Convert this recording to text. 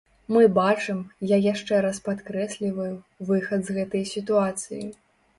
Мы бачым, я яшчэ раз падкрэсліваю, выхад з гэтай сітуацыі.